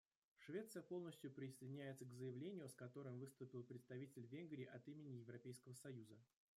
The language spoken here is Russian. Швеция полностью присоединяется к заявлению, с которым выступил представитель Венгрии от имени Европейского союза.